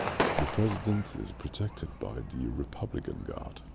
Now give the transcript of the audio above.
The president is protected by the Republican Guard.